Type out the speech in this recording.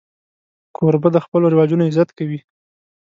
کوربه د خپلو رواجونو عزت کوي.